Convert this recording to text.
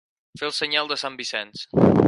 Fer el senyal de sant Vicenç.